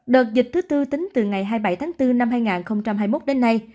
đợt dịch thứ tư tính từ ngày hai mươi bảy tháng bốn năm hai nghìn hai mươi một đến nay